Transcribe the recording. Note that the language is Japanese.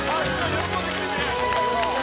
喜んでくれてる。